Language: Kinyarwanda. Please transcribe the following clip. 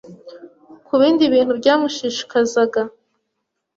ku bindi bintu byamushishikazaga.